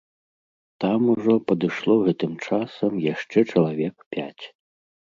Там ужо падышло гэтым часам яшчэ чалавек пяць.